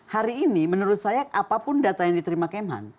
hari ini menurut saya apapun data yang diterima kemhan